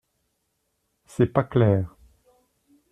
C’est pas clair.